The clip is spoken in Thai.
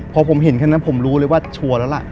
พอผมเห็นแค่นั้นผมรู้เลยว่าชัวร์แล้วล่ะ